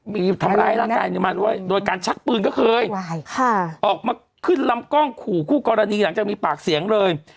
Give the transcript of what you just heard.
มีทำร้ายร่างกายมาด้วยโดยการชักปืนก็เคยค่ะออกมาขึ้นลำกล้องขู่คู่กรณีหลังจากมีปากเสียงเลย